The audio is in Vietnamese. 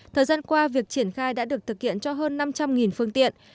thời gian qua việc triển khai đã được thực hiện cho hơn năm trăm linh phương tiện